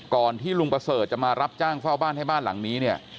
ที่ลุงประเสริฐจะมารับจ้างเฝ้าบ้านให้บ้านหลังนี้เนี่ย